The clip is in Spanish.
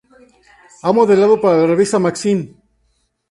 Ha modelado para la revista "Maxim".